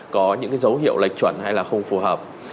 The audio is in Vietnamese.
có những dấu hiệu lệch chuẩn hay là không phù hợp